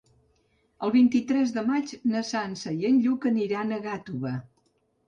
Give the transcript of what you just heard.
El vint-i-tres de maig na Sança i en Lluc aniran a Gàtova.